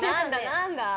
何だ？